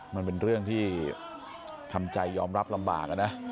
มันเป็นเรื่องที่ทำใจยอมรับลำบากนะ